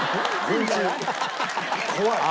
怖い。